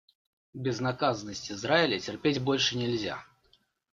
Безнаказанность Израиля терпеть больше нельзя.